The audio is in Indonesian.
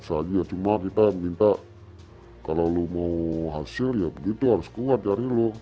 biasa aja cuma kita minta kalau lo mau hasil ya begitu harus kuat cari lo